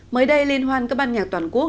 mới đây liên hoan các ban nhạc toàn quốc